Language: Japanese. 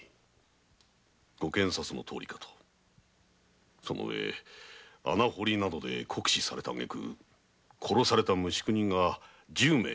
ご賢察のとおりかとその上穴掘りなどで酷使されたあげく殺された無宿人が十名ほど。